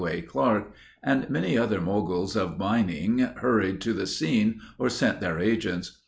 A. Clark, and many other moguls of mining hurried to the scene or sent their agents.